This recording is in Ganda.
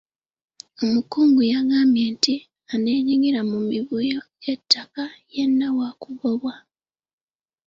Omukungu yagambye nti aneenyigira mu mivuyo gy'ettaka yenna waakugobwa.